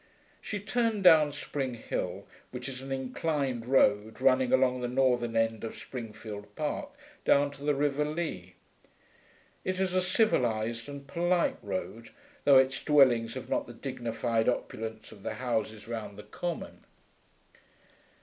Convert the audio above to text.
She turned down Spring Hill, which is an inclined road running along the northern end of Springfield Park down to the river Lea. It is a civilised and polite road, though its dwellings have not the dignified opulence of the houses round the common.